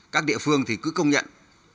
các địa phương thì cứ công nhận